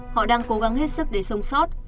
họ đang cố gắng hết sức để sống sót